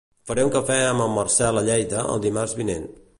Faré un cafè amb el Marcel a Lleida el dimarts vinent.